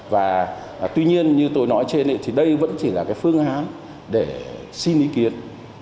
và tuy nhiên như tôi nói trên thì đây vẫn chỉ là cái phương án để xin ý kiến